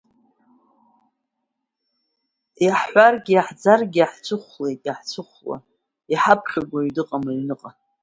Иаҳҳәаргьы, иааӡаргьы, иаҳцәыхәлеит, иаҳцәыхәла, иҳаԥхьогь уаҩ дыҟам аҩныҟа.